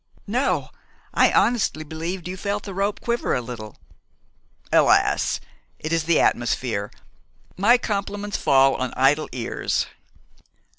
"No. I honestly believed you felt the rope quiver a little." "Alas! it is the atmosphere. My compliments fall on idle ears."